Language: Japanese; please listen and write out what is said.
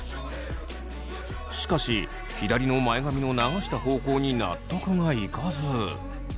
しかし左の前髪の流した方向に納得がいかず。